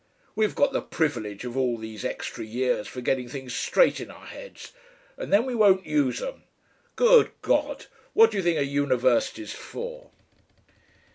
We've got the privilege of all these extra years for getting things straight in our heads, and then we won't use 'em. Good God! what do you think a university's for?"...